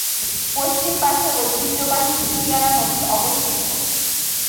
পশ্চিম পাশে ঐতিহ্যবাহী কুশিয়ারা নদী অবস্থিত।